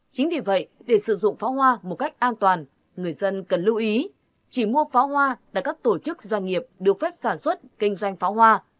chính vì vậy để sử dụng pháo hoa một cách an toàn người dân cần lưu ý chỉ mua pháo hoa tại các tổ chức doanh nghiệp được phép sản xuất kinh doanh pháo hoa